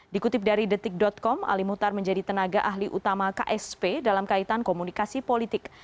dikutip dari detik com ali muhtar menjadi tenaga ahli utama ksp dalam kaitan komunikasi politik